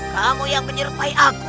kamu yang menyerupai aku